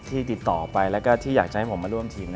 ติดต่อไปแล้วก็ที่อยากจะให้ผมมาร่วมทีม